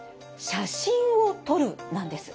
「写真を撮る」なんです。